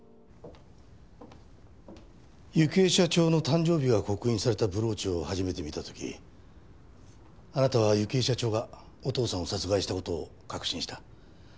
幸恵社長の誕生日が刻印されたブローチを初めて見た時あなたは幸恵社長がお父さんを殺害した事を確信した。